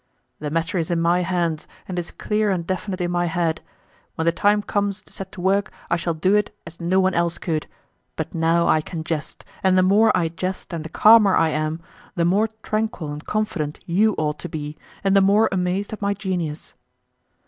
"The matter is in my hands and is clear and definite in my head. When the time comes to set to work I shall do it as no one else could, but now I can jest, and the more I jest and the calmer I am the more tranquil and confident you ought to be, and the more amazed at my genius."